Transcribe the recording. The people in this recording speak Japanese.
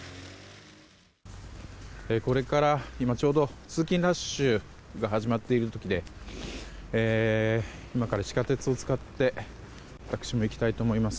これからちょうど通勤ラッシュが始まっている時で今から地下鉄を使って私も行きたいと思います。